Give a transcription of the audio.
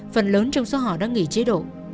phần lớn trong số họ đã nghỉ chế độ